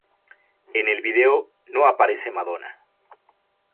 En el video no aparece Madonna.